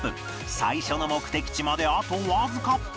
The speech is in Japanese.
最初の目的地まであとわずか